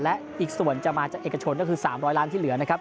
และอีกส่วนจะมาจากเอกชนก็คือ๓๐๐ล้านที่เหลือนะครับ